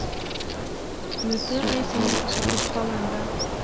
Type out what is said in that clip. نو ته ای زما د سکوت خاونده.